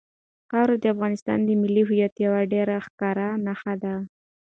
خاوره د افغانستان د ملي هویت یوه ډېره ښکاره نښه ده.